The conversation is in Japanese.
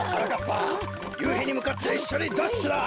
ゆうひにむかっていっしょにダッシュだ。